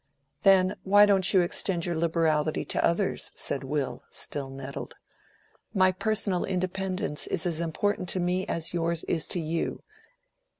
"Then, why don't you extend your liberality to others?" said Will, still nettled. "My personal independence is as important to me as yours is to you.